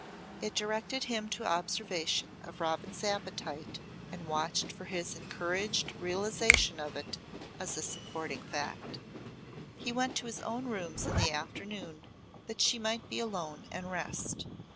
It directed him to observation of Robin's appetite and watched for his encouraged realisation of it as a supporting fact. He went to his own rooms in the afternoon that she might be alone and rest.